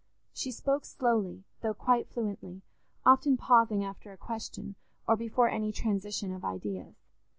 She spoke slowly, though quite fluently, often pausing after a question, or before any transition of ideas.